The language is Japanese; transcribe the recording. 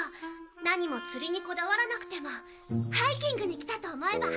何も釣りにこだわらなくてもハイキングに来たと思えば。